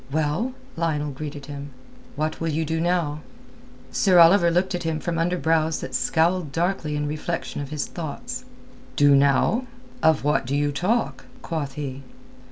"Well?" Lionel greeted him. "What will you do now?" Sir Oliver looked at him from under brows that scowled darkly in reflection of his thoughts. "Do now? Of what do you talk?" quoth he.